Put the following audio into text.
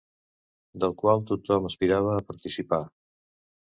Del qual tothom aspirava a participar.